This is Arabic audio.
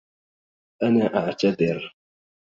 أنا أعتذر